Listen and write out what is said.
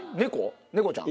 猫ちゃん？